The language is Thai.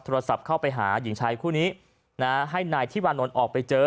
โทรศัพท์เข้าไปหาหญิงชายคู่นี้นะให้นายที่วานนท์ออกไปเจอ